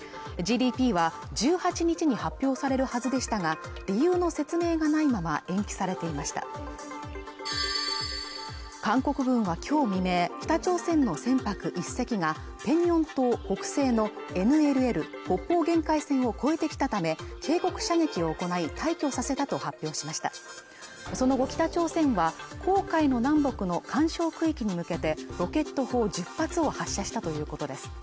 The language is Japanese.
ＧＤＰは１８日に発表されるはずでしたが理由の説明がないまま延期されていました韓国軍はきょう未明北朝鮮の船舶一隻がペンニョン島北西のＮＬＬ＝北方限界線を越えてきたため警告射撃を行い退去させたと発表しましたその後北朝鮮は黄海の南北の緩衝区域に向けてロケット砲１０発を発射したということです